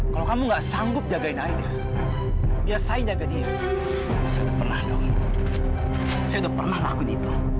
kalau kamu nggak sanggup jagain aida biar saya jaga dia saya udah pernah dong saya udah pernah lakuin itu